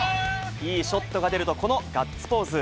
いいショットが出ると、このガッツポーズ。